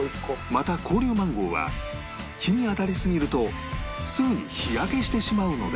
また紅龍マンゴーは日に当たりすぎるとすぐに日焼けしてしまうので